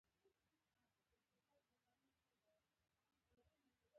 د اصولو رعایت د بشري ټولنې د پرمختګ لپاره ډېر مهم دی.